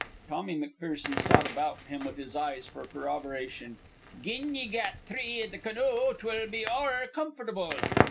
Tommy McPherson sought about him with his eyes for corroboration. "Gin ye gat three i' the canoe 'twill be ower comfortable."